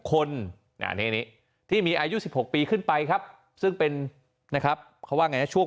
คนที่มีอายุ๑๖ปีขึ้นไปครับซึ่งเป็นนะครับเขาว่าไงนะช่วง